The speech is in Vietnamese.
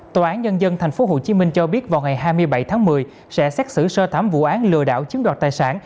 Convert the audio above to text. tòa án nhân dân tp hcm cho biết vào ngày hai mươi bảy tháng một mươi sẽ xét xử sơ thảm vụ án lừa đảo chiếm đoạt tài sản